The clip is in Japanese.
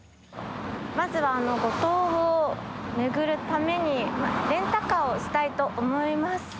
まずは五島を巡るためにレンタカーをしたいと思います。